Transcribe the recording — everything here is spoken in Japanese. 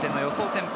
先発。